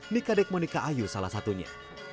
nikadek monika ayu salah satunya